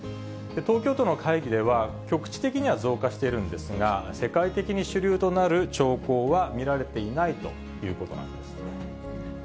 東京都の会議では、局地的には増加しているんですが、世界的に主流となる兆候は見られていないということなんです。